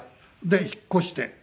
で引っ越して。